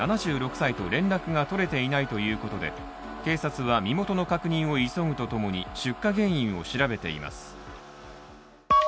７６歳と連絡が取れていないということで、警察は身元の確認を急ぐとともに出火原因を調べています。